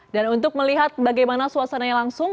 dan untuk melihat bagaimana suasananya langsung